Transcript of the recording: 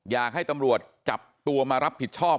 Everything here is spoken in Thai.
อยากให้ตำรวจจับตัวมารับผิดชอบ